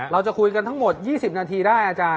เราจะคุยกันทั้งหมด๒๐นาทีได้อาจารย์